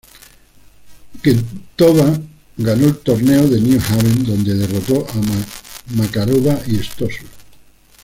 Kvitová ganó el torneo de New Haven, donde derrotó a Makarova y Stosur.